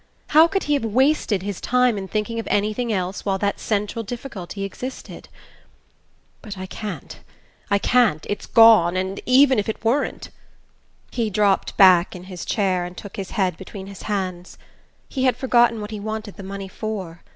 How could he have wasted his time in thinking of anything else while that central difficulty existed? "But I can't ... I can't ... it's gone ... and even if it weren't...." He dropped back in his chair and took his head between his hands. He had forgotten what he wanted the money for.